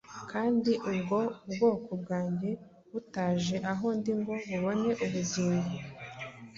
kandi ubwo ubwoko bwanjye butaje aho ndi ngo bubone ubugingo,